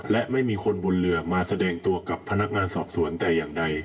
และไม่มีคนบนเรือมาแสดงตัวกับพนักงานสอบสวนแต่อย่างใด